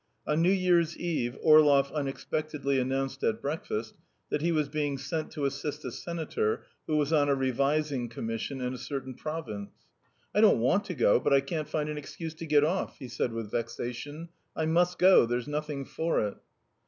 On New Year's Eve Orlov unexpectedly announced at breakfast that he was being sent to assist a senator who was on a revising commission in a certain province. "I don't want to go, but I can't find an excuse to get off," he said with vexation. "I must go; there's nothing for it."